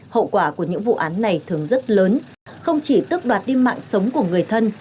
hậu quả của những vụ án này thường rất lớn không chỉ tức đoạt đi mạng sống của người thân